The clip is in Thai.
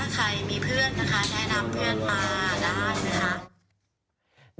ใครมีเพื่อนนะคะแนะนำเพื่อนมาได้นะคะ